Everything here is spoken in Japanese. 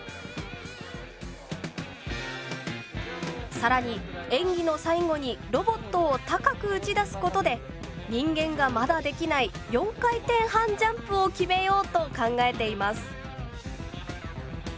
さらに演技の最後にロボットを高く打ち出すことで人間がまだできない４回転半ジャンプを決めようと考えています。